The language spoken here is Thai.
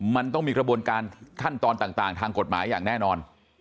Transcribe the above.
มันต้องมีกระบวนการขั้นตอนต่างทางกฎหมายอย่างแน่นอน